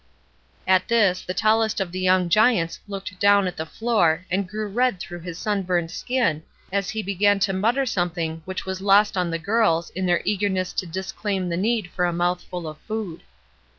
At this, the tallest of the young giants looked down at the floor and grew red through his sunburnt skin as he began to mutter something which was lost on the girls in their eagerness to disclaim the need for a mouthful of food.